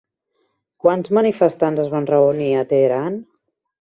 Quants manifestants es van reunir a Teheran?